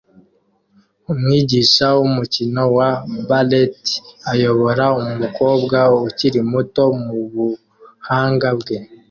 Umwigisha wumukino wa ballet ayobora umukobwa ukiri muto mubuhanga bwe